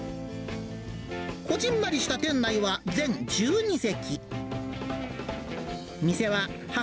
こじんまりした店内は全１２席。